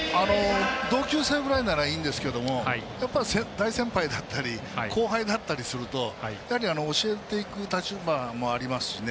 同級生ぐらいならいいんですけどやっぱり大先輩だったり後輩だったりするとやはり教えていく立場もありますし。